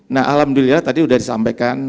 nah alhamdulillah tadi sudah disampaikan